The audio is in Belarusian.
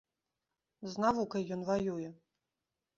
З навукай ён ваюе!